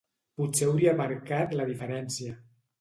Potser hauria marcat la diferència.